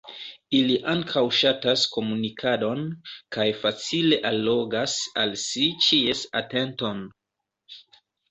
Ili ankaŭ ŝatas komunikadon, kaj facile allogas al si ĉies atenton.